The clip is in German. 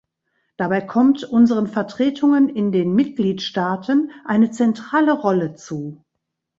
Dabei kommt unseren Vertretungen in den Mitgliedstaaten eine zentrale Rolle zu.